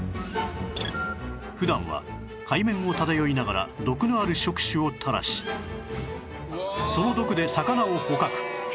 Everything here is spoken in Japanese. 普段は海面を漂いながら毒のある触手を垂らしその毒で魚を捕獲